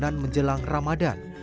dan menjelang ramadan